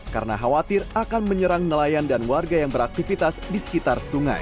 karena khawatir akan menyerang nelayan dan warga yang beraktivitas di sekitar sungai